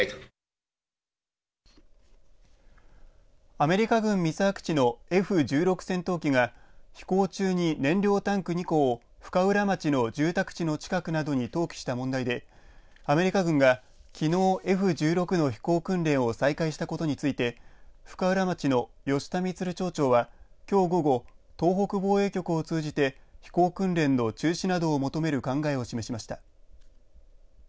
アメリカ軍三沢基地のＦ１６戦闘機が飛行中に燃料タンク２個を深浦町の住宅地の近くなどに投棄した問題でアメリカ軍がきのうＦ１６の飛行訓練を再開したことについて深浦町の吉田満町長はきょう午後、東北防衛局を通じて飛行訓練の中止などを求める考えを示しました。